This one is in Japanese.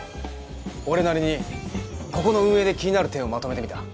俺なりにここの運営で気になる点をまとめてみた。